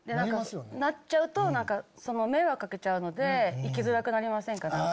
なっちゃうと迷惑かけちゃうので行きづらくなりませんか？